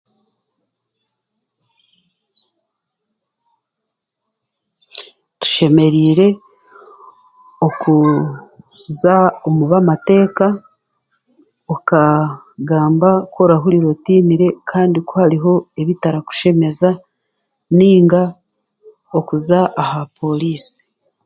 Tushemereire okuuuza omu b'amateeka okaaagamba ku orahurira otiinire kandi ku hariho ebitarakushemeza, nainga okuza aha pooriisi.